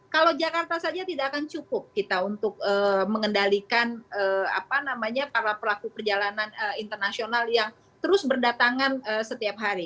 kalau jakarta saja tidak akan cukup kita untuk mengendalikan para pelaku perjalanan internasional yang terus berdatangan setiap hari